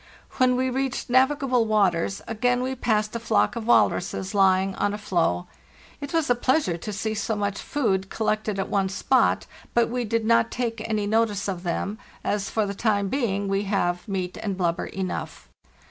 When we reached navigable waters again, we passed a flock of walruses lying on a floe. It was a pleasure to see so much food collected at one spot, but we did not take any notice of them, as, for the time being, we have meat and blubber enough.